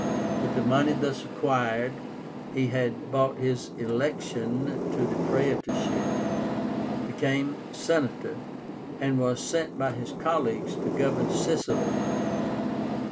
With the money thus acquired, he had bought his election to the praetorship, became Senator, and was sent by his colleagues to govern Sicily.